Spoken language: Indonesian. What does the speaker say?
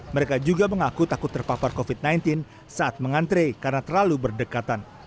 mereka juga mengaku takut terpapar covid sembilan belas saat mengantre karena terlalu berdekatan